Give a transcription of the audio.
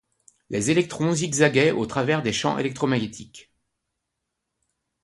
Les électrons zigzaguaient au travers des champs électromagnétiques.